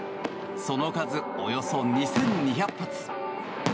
その数およそ２２００発。